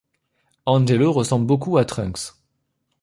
Angelo ressemble beaucoup à Trunks.